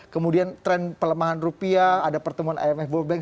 kemudian tren pelemahan rupiah ada pertemuan imf world bank